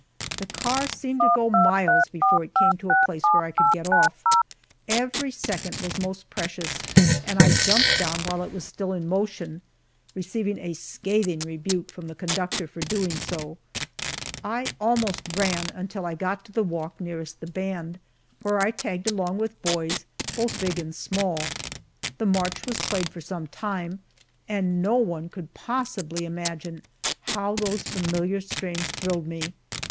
The car seemed to go miles before it came to a place where I could get off. Every second was most precious and I jumped down while it was still in motion, receiving a scathing rebuke from the conductor for doing so. I almost ran until I got to the walk nearest the band, where I tagged along with boys, both big and small. The march was played for some time, and no one could possibly imagine, how those familiar strains thrilled me.